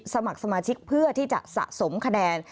สมัครสมาชิกเพื่อที่จะสะสมคะแนน